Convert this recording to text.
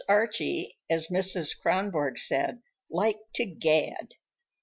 Archie, as Mrs. Kronborg said, "liked to gad."